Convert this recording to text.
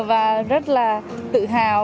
và rất là tự hào